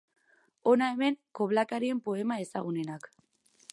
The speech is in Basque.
Hona hemen hemen koblakarien poema ezagunenak.